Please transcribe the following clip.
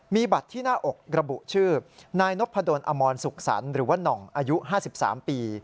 มีบัตรที่หน้าอกระบุชื่อนายนพดลอมรสุขสรรค์หรือว่าน่องอายุ๕๓ปี